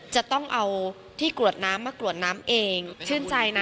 จะต้องเอาที่กรวดน้ำมากรวดน้ำเองชื่นใจนะ